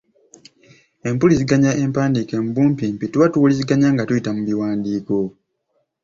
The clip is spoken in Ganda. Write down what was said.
Empuliziganya empandiike mu bumpimpi tuba tuwuliziganya nga tuyita mu biwandiiko.